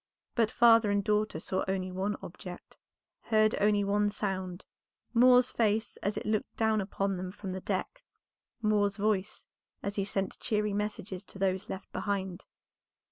But father and daughter saw only one object, heard only one sound, Moor's face as it looked down upon them from the deck, Moor's voice as he sent cheery messages to those left behind.